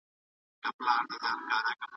خلع د ښځې د رضایت پرته صحیح نه دی.